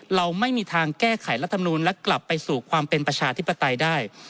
เราไม่มีทางแก้ไขรัฐมนูลและกลับไปสู่ความเป็นประชาธิปไตยได้